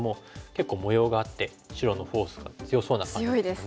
結構模様があって白のフォースが強そうな感じですよね。